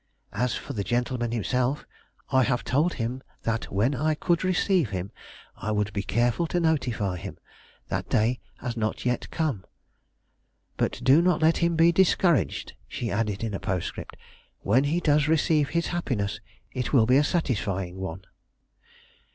As for the gentleman himself, I have told him that when I could receive him I would be careful to notify him. That day has not yet come. "But do not let him be discouraged," she added in a postscript. "When he does receive his happiness, it will be a satisfying one."